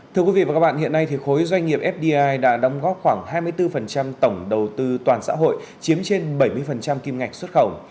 thưa quý vị và các bạn hiện nay khối doanh nghiệp fdi đã đóng góp khoảng hai mươi bốn tổng đầu tư toàn xã hội chiếm trên bảy mươi kim ngạch xuất khẩu